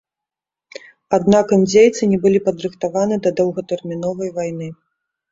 Аднак індзейцы не былі падрыхтаваны да доўгатэрміновай вайны.